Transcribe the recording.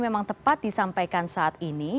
memang tepat disampaikan saat ini